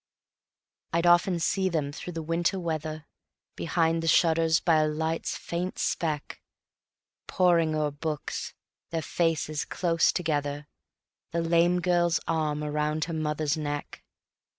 I'd often see them through the winter weather, Behind the shutters by a light's faint speck, Poring o'er books, their faces close together, The lame girl's arm around her mother's neck.